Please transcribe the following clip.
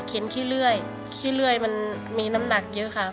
ขี้เลื่อยขี้เลื่อยมันมีน้ำหนักเยอะค่ะ